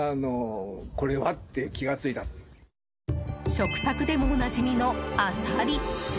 食卓でもおなじみのアサリ。